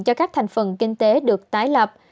cho các thành phần kinh tế được tái lập